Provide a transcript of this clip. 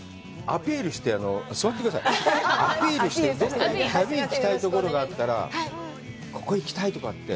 アピールして、どんどん旅行きたいところがあったら、ここへ行きたい！とかって。